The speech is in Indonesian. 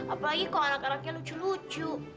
apalagi kok anak anaknya lucu lucu